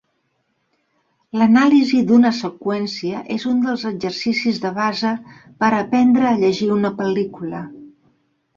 L'anàlisi d'una seqüència és un dels exercicis de base per aprendre a llegir una pel·lícula.